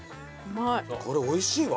これおいしいわ。